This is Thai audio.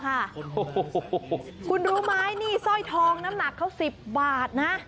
โอ้โหคุณรู้ไหมนี่สร้อยทองน้ำหนักเขา๑๐บาทนะ